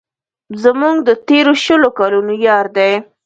زموږ د تېرو شلو کلونو یار دی.